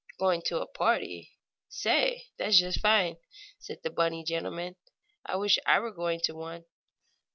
"Going to a party? Say, that's just fine!" said the bunny gentleman. "I wish I were going to one."